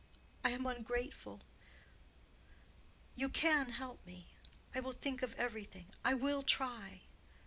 I am ungrateful. You can help me. I will think of everything. I will try.